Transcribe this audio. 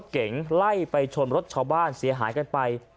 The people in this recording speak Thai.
เก๋งไล่ไปชนรถชาวบ้านเสียหายกันไป